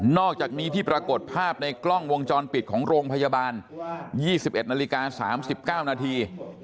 อกจากนี้ที่ปรากฏภาพในกล้องวงจรปิดของโรงพยาบาล๒๑นาฬิกา๓๙นาที